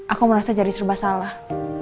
aku merasa jadi serba salah